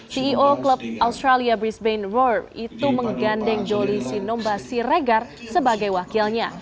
ceo klub australia brisbain war itu menggandeng joli sinomba siregar sebagai wakilnya